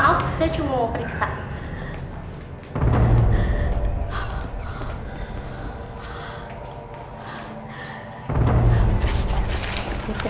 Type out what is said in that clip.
maaf saya cuma mau periksa